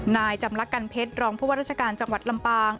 นายจำลักกันเพชรรองผู้ว่าราชการจังหวัดลำปาง